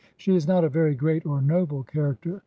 She is not a very great or noble character.